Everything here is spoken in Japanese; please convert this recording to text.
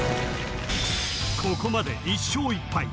ここまで１勝１敗